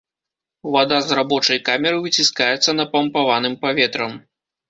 Вада з рабочай камеры выціскаецца напампаваным паветрам.